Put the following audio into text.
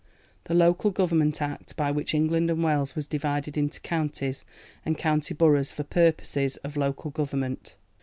The Local Government Act, by which England and Wales was divided into counties and county boroughs for purposes of local government.